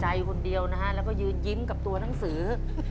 ใจคนเดียวนะฮะแล้วก็ยืนยิ้มกับตัวหนังสือ